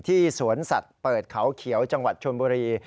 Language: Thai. สวนสัตว์เปิดเขาเขียวจังหวัดชนบุรี